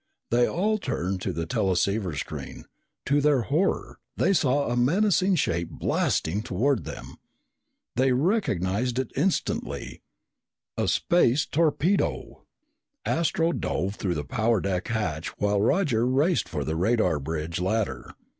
They all turned to the teleceiver screen. To their horror, they saw a menacing shape blasting toward them. They recognized it instantly a space torpedo! Astro dove through the power deck hatch while Roger raced for the radar bridge ladder.